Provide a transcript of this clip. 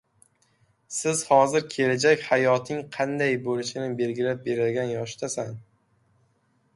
Sen hozir kelajak hayoting qanday boʻlishini belgilab beradigan yoshdasan.